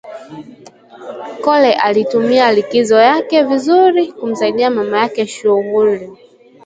Kole alitumia likizo yake vizuri kumsaidia mama yake shughuli